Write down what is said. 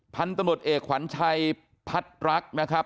พันธุ์ตำรวจเอกขวัญชัยพัดรักนะครับ